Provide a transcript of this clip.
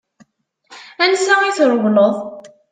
Ansa i trewleḍ?